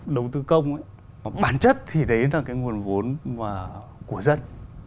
đồng tư công bản chất thì đấy là cái nguồn vốn của dân